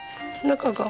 中が？